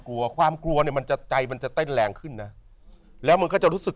กลัวความกลัวเนี่ยมันจะใจมันจะเต้นแรงขึ้นนะแล้วมันก็จะรู้สึก